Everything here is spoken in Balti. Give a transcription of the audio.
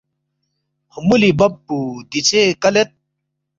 خمُولی بب پو دیژے کلید